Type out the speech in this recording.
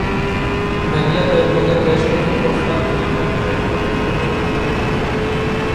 Maglev রেলপথের বেশ কয়েকটি প্রস্তাব ইনডাকট্রেক প্রযুক্তির উপর ভিত্তি করে।